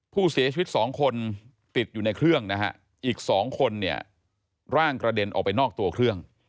ผู้เสียชีวิต๒คนติดอยู่ในเครื่องนะฮะอีก๒คนเนี่ยร่างกระเด็นออกไปนอกตัวเครื่อง